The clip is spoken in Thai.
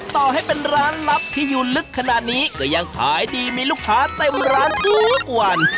ต่อให้เป็นร้านลับที่อยู่ลึกขนาดนี้ก็ยังขายดีมีลูกค้าเต็มร้านทุกวัน